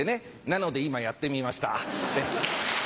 なので今やってみました。